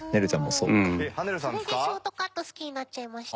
それでショートカット好きになっちゃいました。